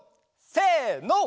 せの！